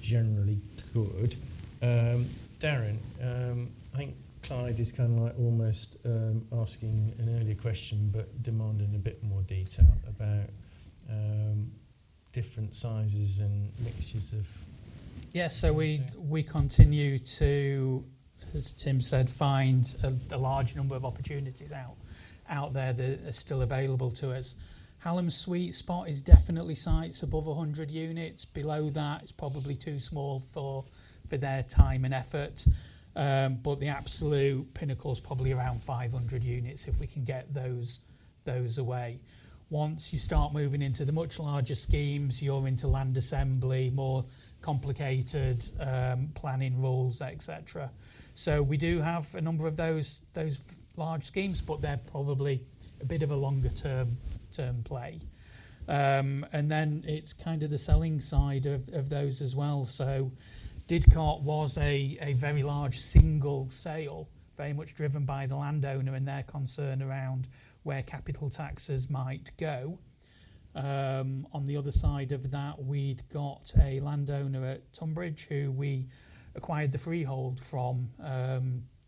generally good. Darren, I think Clyde is kinda like almost asking an earlier question, but demanding a bit more detail about different sizes and mixtures of Yeah. We continue to, as Tim said, find a large number of opportunities out there that are still available to us. Hallam's sweet spot is definitely sites above 100 units. Below that, it's probably too small for their time and effort. The absolute pinnacle is probably around 500 units if we can get those away. Once you start moving into the much larger schemes, you're into land assembly, more complicated planning rules, et cetera. We do have a number of those large schemes, but they're probably a bit of a longer term play. It's kind of the selling side of those as well. Didcot was a very large single sale, very much driven by the landowner and their concern around where capital taxes might go. On the other side of that, we'd got a landowner at Tonbridge who we acquired the freehold from,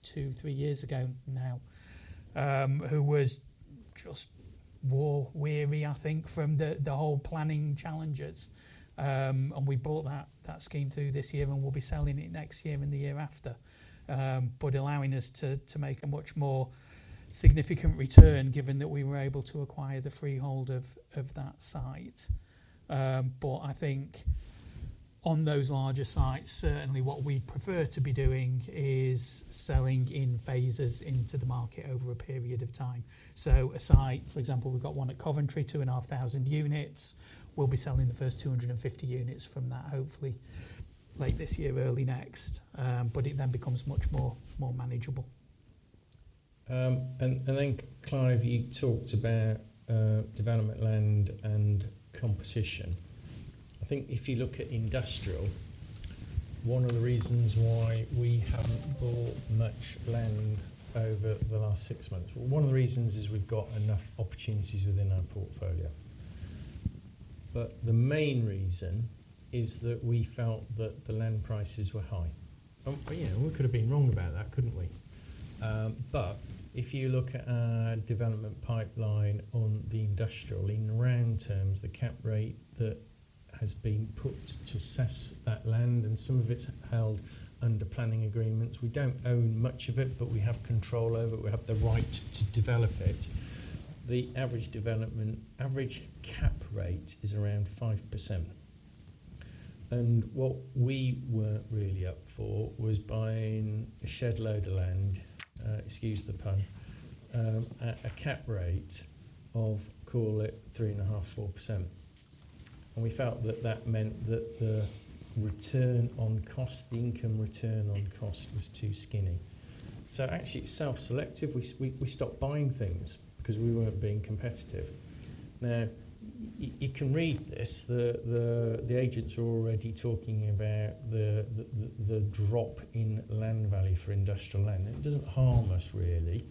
two, three years ago now, who was just war-weary, I think, from the whole planning challenges. We brought that scheme through this year, and we'll be selling it next year and the year after, but allowing us to make a much more significant return given that we were able to acquire the freehold of that site. I think on those larger sites, certainly what we prefer to be doing is selling in phases into the market over a period of time. A site, for example, we've got one at Coventry, 2,500 units. We'll be selling the first 250 units from that, hopefully late this year, early next. It then becomes much more manageable. Clive, you talked about development land and competition. I think if you look at industrial, one of the reasons why we haven't bought much land over the last six months. Well, one of the reasons is we've got enough opportunities within our portfolio. The main reason is that we felt that the land prices were high. You know, we could have been wrong about that, couldn't we? If you look at our development pipeline on the industrial, in round terms, the cap rate that has been put to assess that land, and some of it's held under planning agreements. We don't own much of it, but we have control over it. We have the right to develop it. The average cap rate is around 5%. What we weren't really up for was buying a shed load of land, excuse the pun, at a cap rate of, call it 3.5%-4%. We felt that that meant that the return on cost, the income return on cost was too skinny. Actually, it's self-selective. We stopped buying things because we weren't being competitive. Now, you can read this. The agents are already talking about the drop in land value for industrial land, and it doesn't harm us really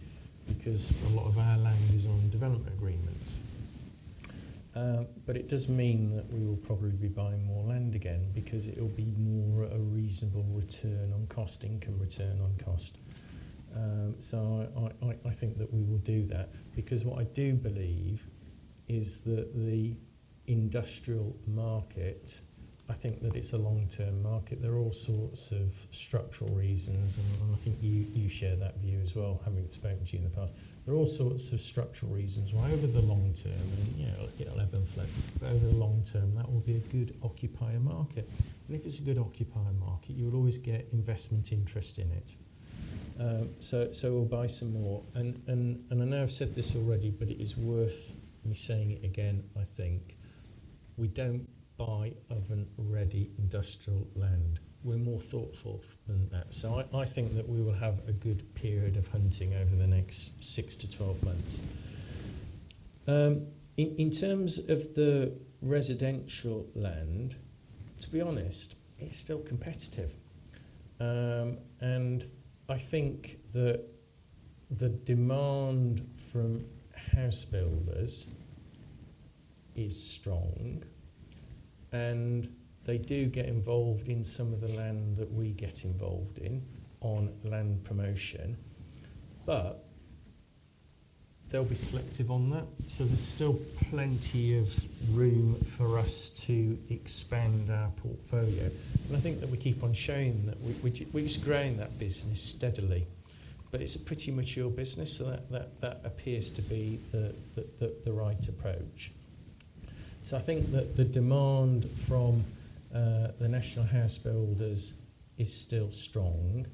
because a lot of our land is on development agreements. It does mean that we will probably be buying more land again because it'll be more a reasonable return on cost, income return on cost. I think that we will do that because what I do believe is that the industrial market, I think that it's a long-term market. There are all sorts of structural reasons, and I think you share that view as well, having spoken to you in the past. There are all sorts of structural reasons why over the long term and, you know, look at 1150, over the long term, that will be a good occupier market. If it's a good occupier market, you'll always get investment interest in it. We'll buy some more. I know I've said this already, but it is worth me saying it again, I think. We don't buy oven-ready industrial land. We're more thoughtful than that. I think that we will have a good period of hunting over the next six to 12 months. In terms of the residential land, to be honest, it's still competitive. I think that the demand from house builders is strong, and they do get involved in some of the land that we get involved in on land promotion. They'll be selective on that, so there's still plenty of room for us to expand our portfolio. I think that we keep on showing that we're just growing that business steadily. It's a pretty mature business, so that appears to be the right approach. I think that the demand from the national house builders is still strong,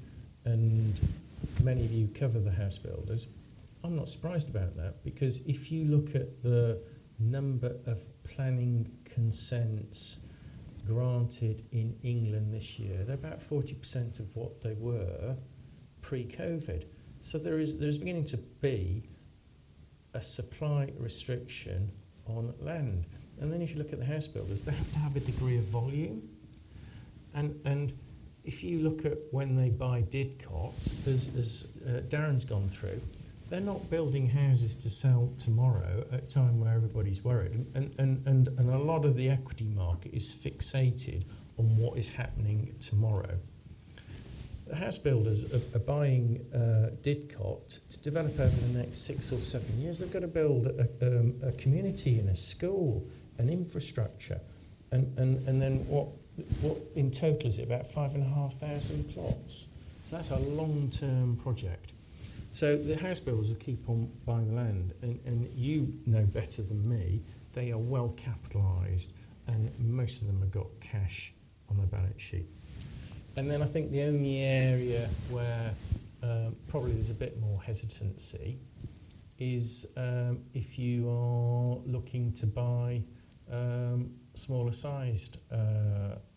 and many of you cover the house builders. I'm not surprised about that because if you look at the number of planning consents granted in England this year, they're about 40% of what they were pre-COVID. There is beginning to be a supply restriction on land. If you look at the house builders, they have to have a degree of volume. If you look at when they buy Didcot, as Darren's gone through, they're not building houses to sell tomorrow at a time where everybody's worried. A lot of the equity market is fixated on what is happening tomorrow. The house builders are buying Didcot to develop over the next six or seven years. They've got to build a community and a school, an infrastructure. In total is it about 5,500 plots? That's a long-term project. The house builders will keep on buying land and you know better than me, they are well capitalized, and most of them have got cash on their balance sheet. I think the only area where probably there's a bit more hesitancy is if you are looking to buy smaller sized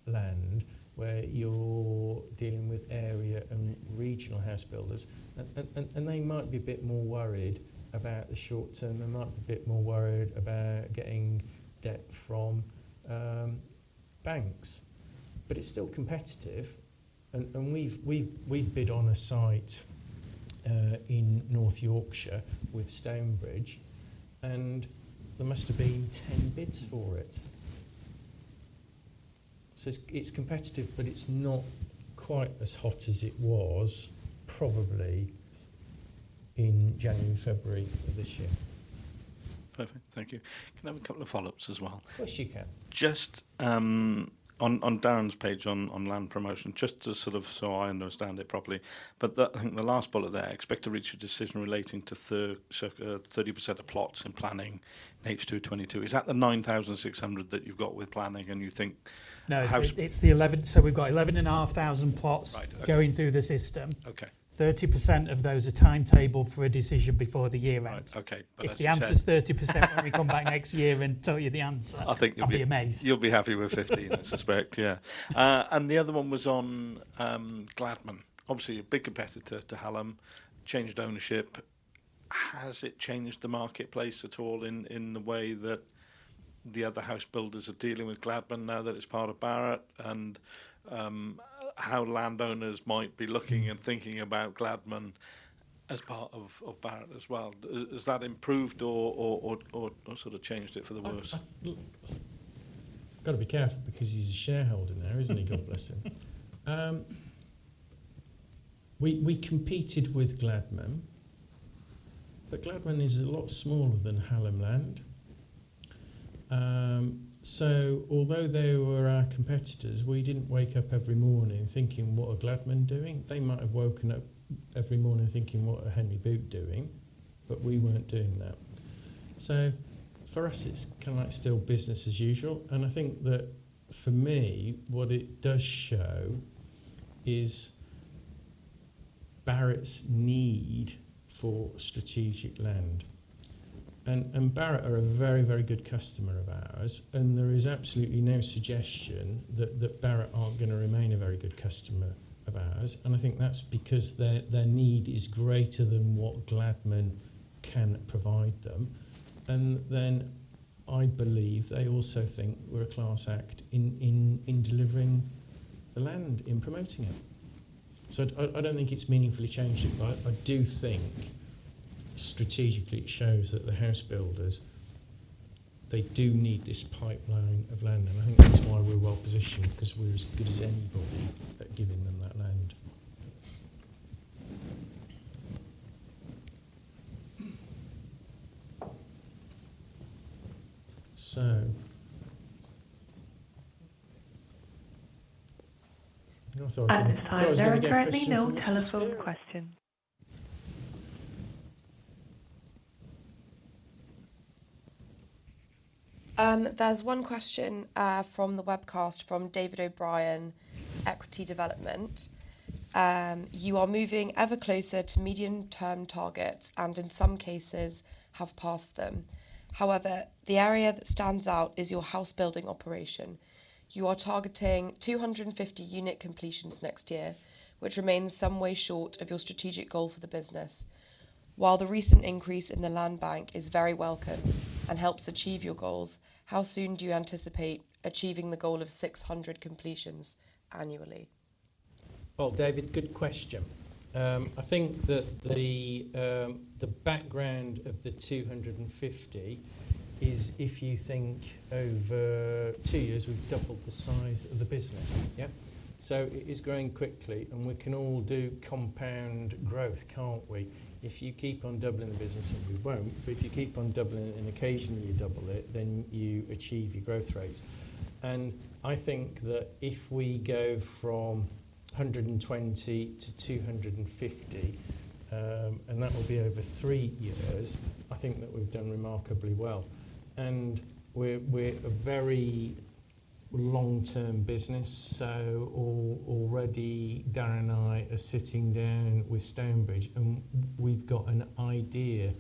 land where you're dealing with area and regional house builders. They might be a bit more worried about the short term. They might be a bit more worried about getting debt from banks. It's still competitive and we've bid on a site in North Yorkshire with Stonebridge, and there must have been 10 bids for it. It's competitive, but it's not quite as hot as it was probably in January, February of this year. Perfect. Thank you. Can I have a couple of follow-ups as well? Of course you can. Just on Darren's page on land promotion, just to sort of so I understand it properly. I think the last bullet there, expect to reach a decision relating to 30% of plots in planning H2 2022. Is that the 9,600 that you've got with planning, and you think how- We've got 11,500 plots. Right. Okay. Going through the system. Okay. 30% of those are timetabled for a decision before the year end. Right. Okay. If the answer's 30% when we come back next year and tell you the answer. I think you'll be. I'll be amazed. You'll be happy with 15, I suspect. Yeah. The other one was on Gladman. Obviously a big competitor to Hallam, changed ownership. Has it changed the marketplace at all in the way that the other house builders are dealing with Gladman now that it's part of Barratt, and how landowners might be looking and thinking about Gladman as part of Barratt as well? Has that improved or sort of changed it for the worse? I've got to be careful because he's a shareholder now, isn't he? God bless him. We competed with Gladman, but Gladman is a lot smaller than Hallam Land. Although they were our competitors, we didn't wake up every morning thinking, "What are Gladman doing?" They might have woken up every morning thinking, "What are Henry Boot doing?" We weren't doing that. For us, it's kind of like still business as usual. I think that for me, what it does show is Barratt's need for strategic land. Barratt are a very, very good customer of ours, and there is absolutely no suggestion that Barratt aren't gonna remain a very good customer of ours. I think that's because their need is greater than what Gladman can provide them. I believe they also think we're a class act in delivering the land, in promoting it. I don't think it's meaningfully changed it, but I do think strategically it shows that the house builders, they do need this pipeline of land. I think that's why we're well positioned 'cause we're as good as anybody at giving them that land. At this time, there are currently no telephone questions. Let's do. There's one question from the webcast from David O'Brien, Equity Development. You are moving ever closer to medium-term targets and in some cases have passed them. However, the area that stands out is your house building operation. You are targeting 250 unit completions next year, which remains some way short of your strategic goal for the business. While the recent increase in the land bank is very welcome and helps achieve your goals, how soon do you anticipate achieving the goal of 600 completions annually? Well, David, good question. I think that the background of the 250 is if you think over two years, we've doubled the size of the business. Yeah? It is growing quickly, and we can all do compound growth, can't we? If you keep on doubling the business, and we won't, but if you keep on doubling it and occasionally you double it, then you achieve your growth rates. I think that if we go from 120-250, and that will be over three years, I think that we've done remarkably well. We're a very long-term business, so already Darren and I are sitting down with Stonebridge, and we've got an idea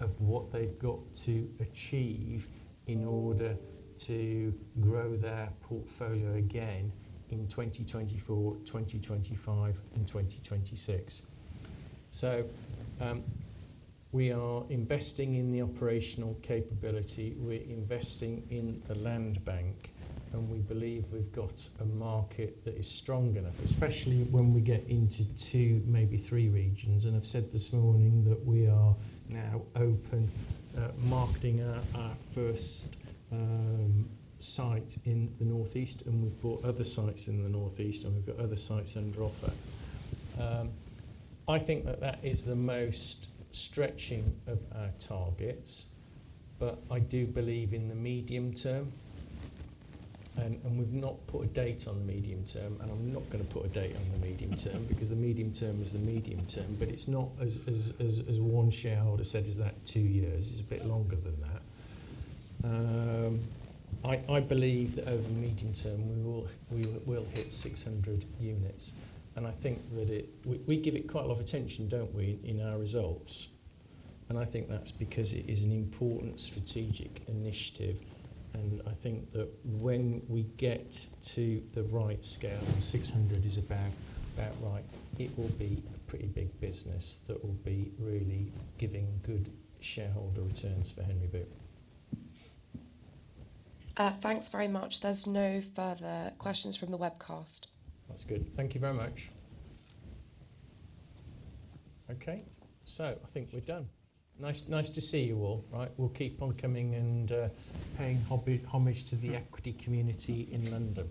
of what they've got to achieve in order to grow their portfolio again in 2024, 2025, and 2026. We are investing in the operational capability, we're investing in the land bank, and we believe we've got a market that is strong enough, especially when we get into two, maybe three regions. I've said this morning that we are now open, marketing our first site in the northeast, and we've bought other sites in the northeast, and we've got other sites under offer. I think that is the most stretching of our targets, but I do believe in the medium term. We've not put a date on the medium term, and I'm not gonna put a date on the medium term because the medium term is the medium term. It's not as one shareholder said, "Is that two years?" It's a bit longer than that. I believe that over the medium term, we will hit 600 units. I think we give it quite a lot of attention, don't we, in our results? I think that's because it is an important strategic initiative, and I think that when we get to the right scale, and 600 is about right, it will be a pretty big business that will be really giving good shareholder returns for Henry Boot. Thanks very much. There's no further questions from the webcast. That's good. Thank you very much. Okay, so I think we're done. Nice to see you all. Right, we'll keep on coming and paying homage to the equity community in London.